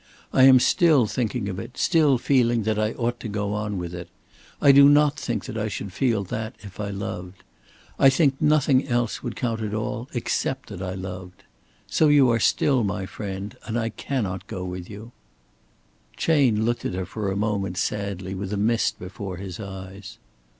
I am still thinking of it, still feeling that I ought to go on with it. I do not think that I should feel that if I loved. I think nothing else would count at all except that I loved. So you are still my friend, and I cannot go with you." Chayne looked at her for a moment sadly, with a mist before his eyes.